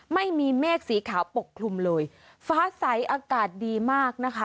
ไม่มีเมฆสีขาวปกคลุมเลยฟ้าใสอากาศดีมากนะคะ